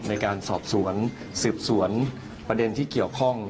ในการสอบสวนสืบสวนประเด็นที่เกี่ยวข้อง